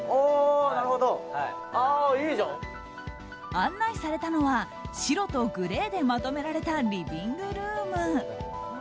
案内されたのは白とグレーでまとめられたリビングルーム。